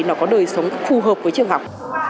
nó có đời sống phù hợp với trường học